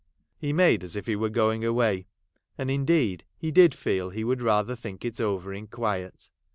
He made as it' be were going away ; and indeed he did feel he would rather think it over in quiet.